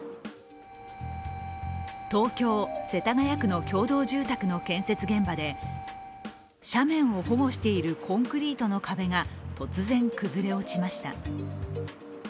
東京・世田谷区の共同住宅の建設現場で斜面を保護しているコンクリートの壁が突然、崩れ落ちました。